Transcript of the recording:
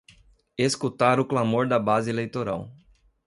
Escutara o clamor da base eleitoral